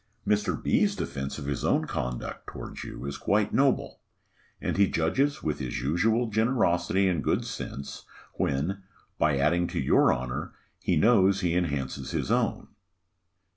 Mr. B.'s defence of his own conduct towards you is quite noble; and he judges with his usual generosity and good sense, when, by adding to your honour, he knows he enhances his own.